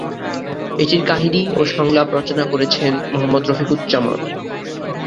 এটির কাহিনি ও সংলাপ রচনা করেছেন মোহাম্মদ রফিক উজ জামান।